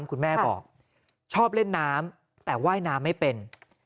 คุณแม่บอกชอบเล่นน้ำแต่ว่ายน้ำไม่เป็น